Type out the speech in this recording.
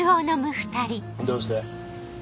どうして？